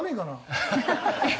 ハハハハ！